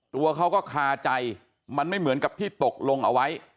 ตัวเขาก็คาใจมันไม่เหมือนกับที่ตกลงเอาไว้